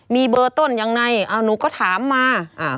มีเบอร์ต้นยังไงหนูก็ถามมา